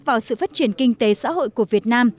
mang lại hiệu quả